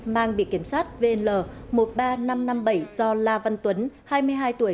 mang bị kiểm soát vn một mươi ba nghìn năm trăm năm mươi bảy do la văn tuấn hai mươi hai tuổi